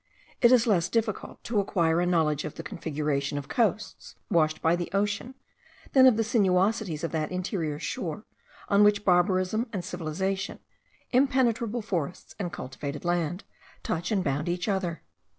It is less difficult to acquire a knowledge of the configuration of coasts washed by the ocean, than of the sinuosities of that interior shore, on which barbarism and civilization, impenetrable forests and cultivated land, touch and bound each other.